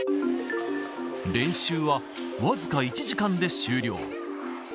練習は僅か１時間で終了。